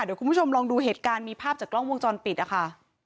เดี๋ยวคุณผู้ชมลองดูเหตุการณ์มีภาพจากกล้องวงจรปิดนะคะ